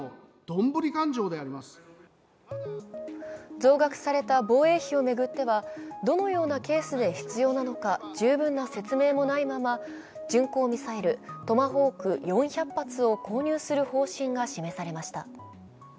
増額された防衛費を巡っては、どのようなケースで必要なのか十分な説明もないまま、巡航ミサイル・トマホーク４００発を購入する方針が示されました。